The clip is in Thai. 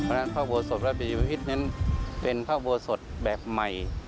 พระนักภาพบวชสดบิญญาวภิพธิ์นั้นเป็นภาพบวชสดแบบใหม่